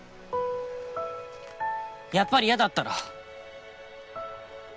やっぱり嫌だったろ